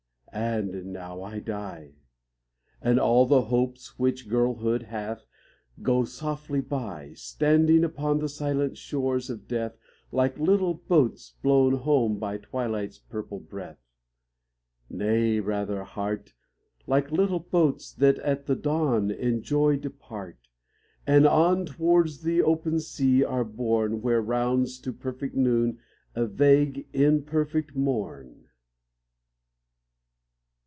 And now I die ! And all the hopes which girlhood hath, Go softly by, Stranding upon the silent shores of Death, Like little boats blown home by twilight's purple breath. 64 ONE MONTH. Nay rather, Heart, Like little boats that at the dawn In joy depart, And on towards the open sea are borne, Where rounds to perfect noon, a vague, imperfect morn.